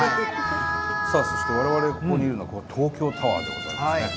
さあそして我々がいるのは東京タワーでございますね。